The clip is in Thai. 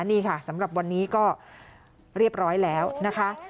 นี่ค่ะสำหรับวันนี้ก็เรียบร้อยแล้วนะคะ